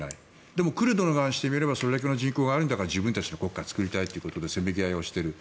でも、クルドの側にしてみればそれだけの人口があるんだから自分たちの国家を作りたいということでせめぎ合いをしている。